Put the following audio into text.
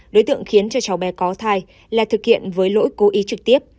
đối tượng khiến cho cháu bé có thai là thực hiện với lỗi cố ý trực tiếp